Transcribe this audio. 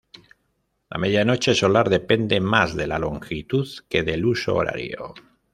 La medianoche solar depende más de la longitud que del huso horario.